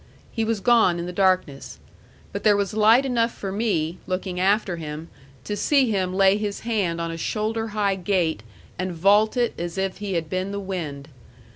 He was gone in the darkness. But there was light enough for me, looking after him, to see him lay his hand on a shoulder high gate and vault it as if he had been the wind.